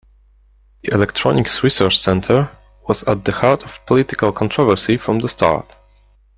The Electronics Research Center was at the heart of political controversy from the start.